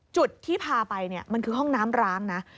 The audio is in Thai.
จุดที่พาไปมันคือห้องน้ำร้างนะ